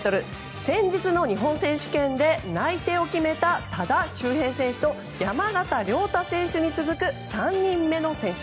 先日の日本選手権で内定を決めた多田修平選手と山縣亮太選手に続く３人目の選手。